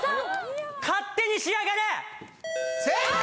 「勝手にしやがれ」正解！